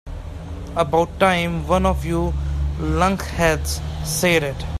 About time one of you lunkheads said it.